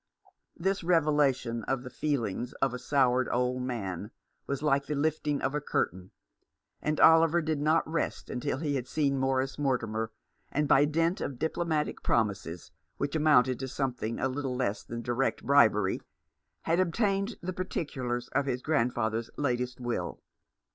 This revelation of the feelings of a soured old man was like the lifting of a curtain ; and Oliver did not rest until he had seen Morris Mortimer, and, by dint of diplomatic promises, which amounted to something a little less than direct bribery, had obtained the particulars of his grand father's latest will.